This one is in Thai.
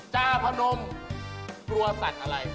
จาพนมกลัวสั่นอะไร